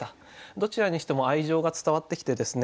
どちらにしても愛情が伝わってきてですね